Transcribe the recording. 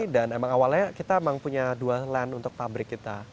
dan emang awalnya kita emang punya dual land untuk pabrik kita